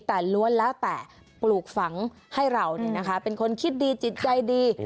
แต่ล้วนแล้วแต่ปลูกฝังให้เราเป็นคนคิดดีจิตใจดี